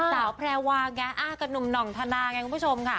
สาวแพรวางาอ้ากนุ่มหน่องธนาไงคุณผู้ชมค่ะ